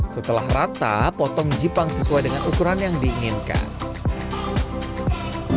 setelah rata potong jipang sesuai dengan ukuran yang diinginkan